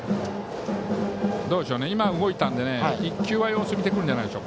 今、動いたので１球は様子を見てくると思います。